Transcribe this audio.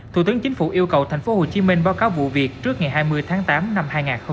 thủ tướng chính phủ yêu cầu thành phố hồ chí minh báo cáo vụ việc trước ngày hai mươi tháng tám năm hai nghìn một mươi chín